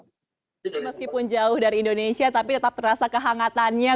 jadi meskipun jauh dari indonesia tapi tetap terasa kehangatannya